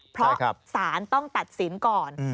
เพราะสารต้องตัดสินก่อน